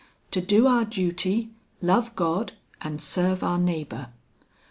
"To do our duty, love God and serve our neighbor.